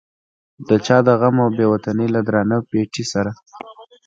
چا د غم او بې وطنۍ له درانه پیټي سره.